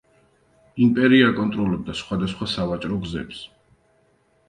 იმპერია აკონტროლებდა სხვა და სხვა სავაჭრო გზებს.